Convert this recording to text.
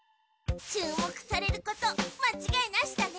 注目されることまちがいなしだね。